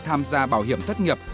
tham gia bảo hiểm thất nghiệp